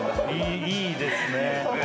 いいですね。